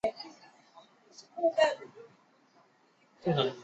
在线直接起动的启动器也可以包括保护元件。